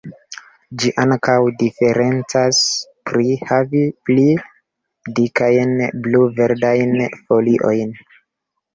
Ĝi ankaŭ diferencas pri havi pli dikajn, blu-verdajn foliojn.